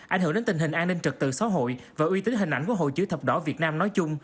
ảnh hưởng đến tình hình an ninh trật tự xã hội và uy tín hình ảnh của hội chữ thập đỏ việt nam nói chung